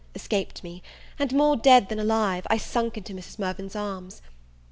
escaped me, and, more dead than alive, I sunk into Mrs. Mirvan's arms.